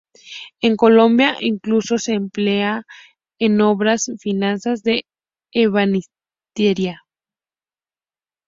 En Colombia incluso se emplea en obras finas de ebanistería.